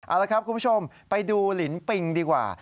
เอาละครับคุณผู้ชมไปดูลินปิงดีกว่า